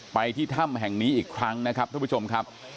ที่ถ้ำแห่งนี้อีกครั้งนะครับทุกผู้ชมครับ